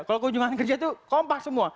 kalau kunjungan kerja itu kompak semua